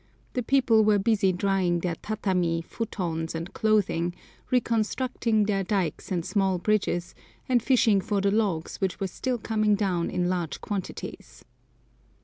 The people were busy drying their tatami, futons, and clothing, reconstructing their dykes and small bridges, and fishing for the logs which were still coming down in large quantities.